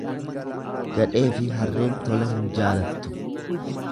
Gadheefi harreen tola hin jaalattu.